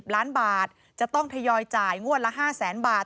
ล้านบาทจะต้องทยอยจ่ายงวดละ๕แสนบาท